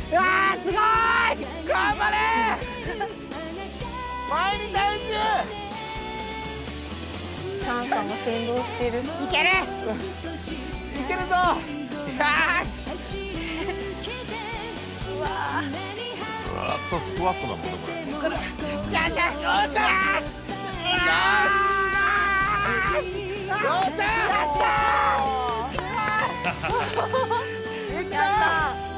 すごい！いった！